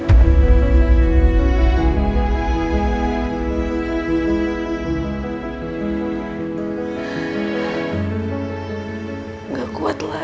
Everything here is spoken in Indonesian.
enggak kuat lagi rasanya